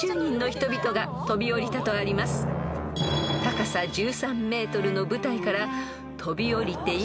［高さ１３ｍの舞台から］